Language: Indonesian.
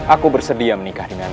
aku bersedia menikah dengan anda